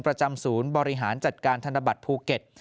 ประจำศูนย์บริหารจัดการธนบัตรภูเก็ต